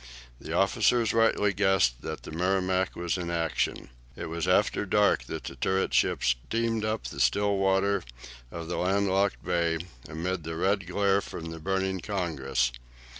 The officers rightly guessed that the "Merrimac" was in action. It was after dark that the turret ship steamed up the still water of the landlocked bay, amid the red glare from the burning "Congress."